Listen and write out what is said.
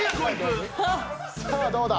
さあどうだ？